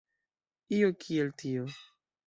Io kiel tio.